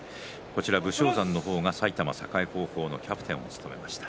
武将山の方が埼玉栄高校のキャプテンを務めました。